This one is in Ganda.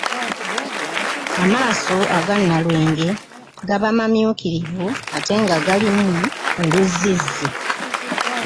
Amaaso aga Nalwenge gaba mamyukirivu ate nga galimu oluzzizzi.